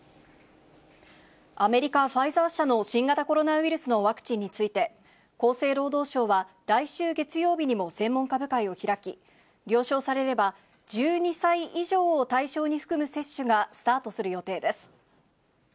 アメリカ・ファイザー社の新型コロナウイルスのワクチンについて、厚生労働省は、来週月曜日にも専門家部会を開き、了承されれば、１２歳以上を対象に含む接種がスタートする予定です。